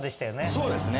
そうですね。